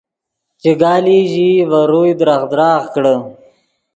چیگالئی ژیئی ڤے روئے دراغ دراغ کڑے